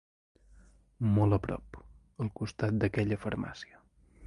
Molt a prop. Al costat d'aquella farmàcia.